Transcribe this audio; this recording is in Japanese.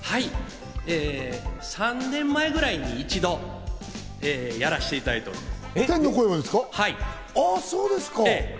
３年前くらいに一度やらせていただいております。